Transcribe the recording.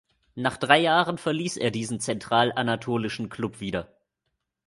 Nach drei Jahren verließ er diesen zentral-anatolischen Klub wieder.